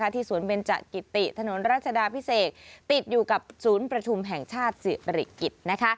ที่สวนเบญจกิติถนนราชดาพิเศษติดอยู่กับสวนประชุมแห่งชาติเสียบริกฤต